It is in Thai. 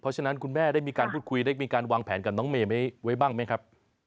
เพราะฉะนั้นคุณแม่ได้มีการพูดคุยได้มีการวางแผนกับน้องเมย์ไว้บ้างไหมครับ